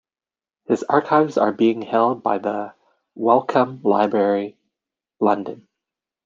His archives are being held by the Wellcome Library, London.